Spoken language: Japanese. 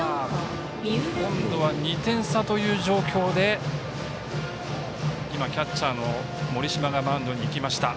今度は２点差という状況でキャッチャーの盛島がマウンドに行きました。